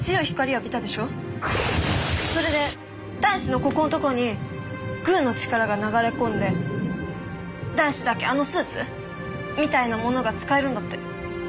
それで大志のここんとこにグーの力が流れ込んで大志だけあのスーツ？みたいなものが使えるんだって。